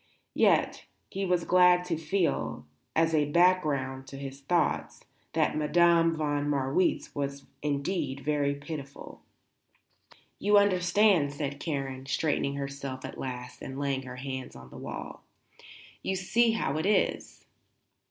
Yet he was glad to feel, as a background to his thoughts, that Madame von Marwitz was indeed very pitiful. "You understand," said Karen, straightening herself at last and laying her hands on the wall. "You see how it is."